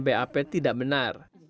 bap tidak benar